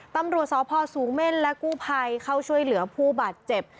ตำรวจสพสูงเม่นและกู้ภัยเข้าช่วยเหลือผู้บาดเจ็บ